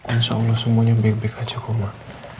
insya allah semuanya baik baik aja kumah